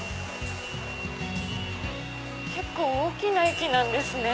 結構大きな駅なんですね。